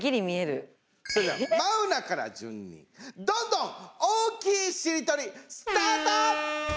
それではマウナから順に「どんどん大きいしりとり」スタート！